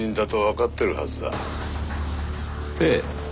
ええ。